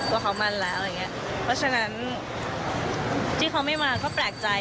ว่าเขามันแล้วเพราะฉะนั้นที่เขาไม่มาเขาแปลกใจ